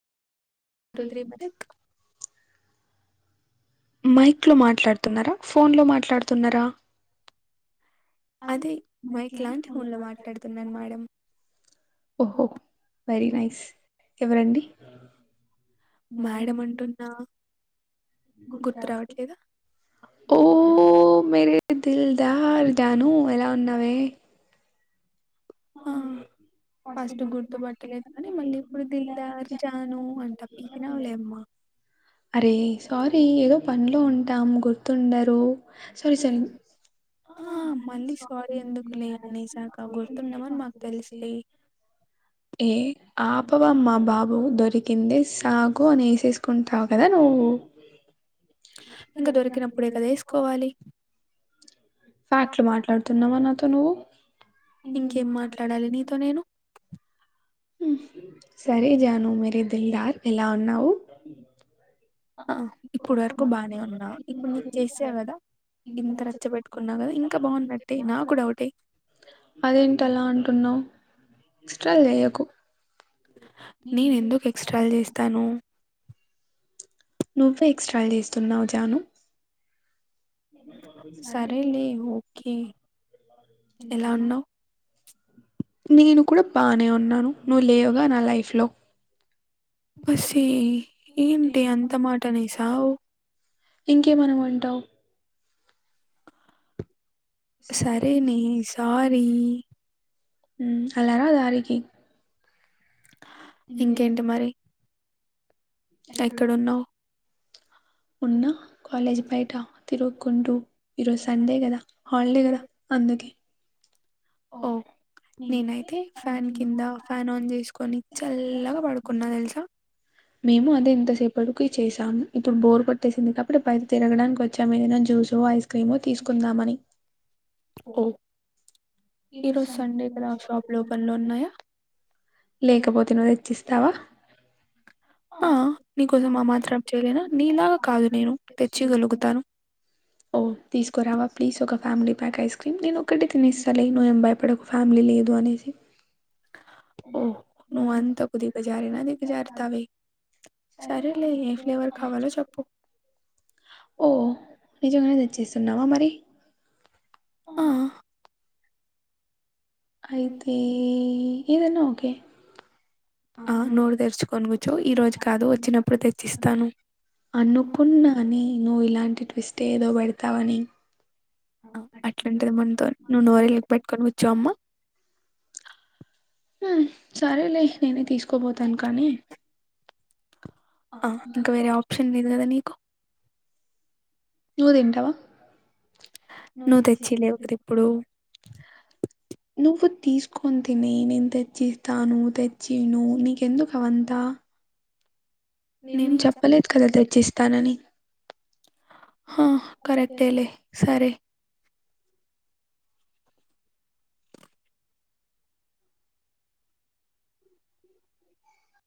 [inaudible] mic లో మాట్లాడుతున్నారా phone లో మాట్లాడుతున్నారా ఓహో వెరీ నైస్ ఎవరండి ఓ మర దిల్ దజాను ఎలా ఉన్నావే అరే సారీ ఏదో పనిలో ఉంటాం గుర్తుండరు ఆ మళ్ళీ స్వారీ ఎందుకు లే అనేశాఖ గుర్తున్న ఏ ఆ చెప్పవమ్మా బాబు దొరికింది సాగు అని వేసేసుకుంటావు కదా నువ్వు ఇంకా దొరికినప్పుడు కదా వేసుకోవాలి ఫ్యాక్ట్ మాట్లాడుతున్నామ తను ఇంకేం మాట్లాడాలి నీతో నేను మ్ సరే జాను మేర దిల్ హాట్ ఎలా ఉన్నావు ఆ ఇప్పుడు వరకు బానే ఉన్నా ఇప్పుడు నీకు చేసా కదా ఇంత రచ్చ పెట్టుకున్నా కదా ఇంకా బాగున్నట్టే నాకు డౌటే ఎక్స్ట్రాలు చేయకు నేను ఎందుకు ఎక్స్ట్రాల్ చేస్తాను నువ్వే ఎక్స్ట్రాలు చేస్తున్నావు జాను సరే లే ఒకే ఎలా ఉన్నావు నేను కూడా బానే ఉన్నాను నువ్వు లేవుగా నా లైఫ్ లో ఇంకే అన్న అంటావు హామ్ అలారా దారికి ఇంకేంటి మరి ఎక్కడ ఉన్న కాలేజీ బయట తిరుగుకుంటూ ఈరోజు సండే కదా హాలిడే కదా అందుకే మేము అదే ఇంతసేపుడు కి చేసాం ఇప్పుడు బోర్ కొట్టేసింది కాబట్టి బయట తిరగడానికి వచ్చాం ఏదైనా జ్యూస్ ఐస్ క్రీమ్ తీసుకుందామని ఓ లేకపోతే నువ్వు ఇస్తావా ఆ నీకోసం ఆ మాత్రం చేయలేనా నీలాగా కాదు నేను తెచ్చియాగలుగుతాను ఓ తీసుకురావా ప్లీజ్ ఒక ఫ్యామిలీ ప్యాక్ ఐస్ క్రీమ్ నే కటి తినీస్తాలై నోయంబై అప్పడ ఒక ఫ్యామిలీ లేదు అనేసి ఓహ ను అన్ంత కుది గజార ఏనాది గజార తవి ఓ నిజంగా నే తేచ్చేస్తున్నావా మరి ఆ అయితే ఏదన్న ఒకే అనుకున్నా నేను ఇలాంటి డ ట్విస్ట్ ఏదో పెడతావని అట్లాంటది మనతో నువ్వు నోరీకి పెట్టుకొని కూర్చోవమ్మా హామ్ ఆ సరేలే నేనే తీసుకోబోతాను కానీ ఆ ఇంకా వేరే ఆప్షన్ లేదు కదా నీకు నవు తింటావా నువ్వు తెచ్చి లేవు కద ఇప్పుడు నువ్వు తీసుకొని తిని నేను తెచ్చిస్తాను తెచ్చిను నీకెందుకు అవంతా నేనేం చెప్పలేదు కదా తెచ్చిస్తానని ఆ కరెక్ట్ లే సరే